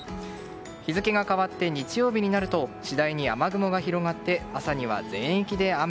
日付が変わって日曜日になると次第に雨雲が広がって朝には全域で雨。